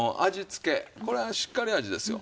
これはしっかり味ですよ。